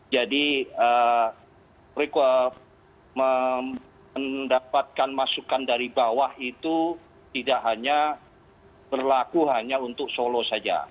jadi mendapatkan masukan dari bawah itu tidak hanya berlaku hanya untuk solo saja